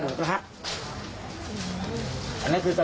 เมื่อยครับเมื่อยครับ